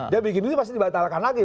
dia bikin begini pasti dibatalikan lagi